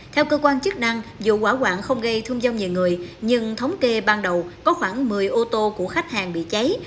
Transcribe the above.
theo cơ quan chức năng vụ hỏa hoạn không gây thương vong về người nhưng thống kê ban đầu có khoảng một mươi ô tô của khách hàng bị cháy